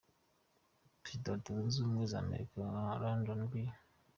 Perezida wa Leta Zunze Ubumwe za Amerika Lyndon B.